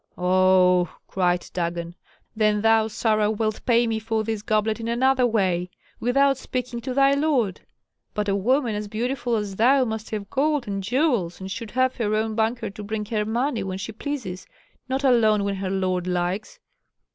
"Oh!" cried Dagon. "Then thou, Sarah, wilt pay me for this goblet in another way, without speaking to thy lord. But a woman as beautiful as thou must have gold and jewels, and should have her own banker to bring her money when she pleases, not alone when her lord likes."